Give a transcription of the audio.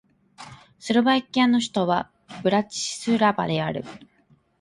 スロバキアの首都はブラチスラバである